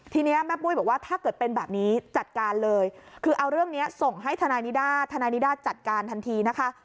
ทีนี้แม่ปุ้ยบอกว่าถ้าเกิดเป็นแบบนี้จัดการเลยคือเอาเรื่องนี้ส่งให้ทนายนิด้าทนายนิด้าจัดการทันทีนะคะ